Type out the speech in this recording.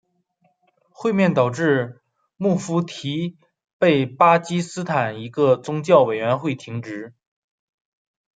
会面导致穆夫提被巴基斯坦一个宗教委员会停职。